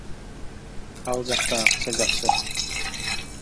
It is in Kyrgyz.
Ал жакта акча жакшы.